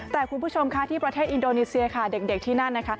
แต่คุณผู้ชมที่ประเทศอินโดนีเซียเด็กที่นั่น